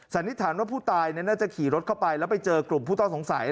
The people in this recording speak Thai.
สันนิษฐานว่าผู้ตายน่าจะขี่รถเข้าไปแล้วไปเจอกลุ่มผู้ต้องสงสัย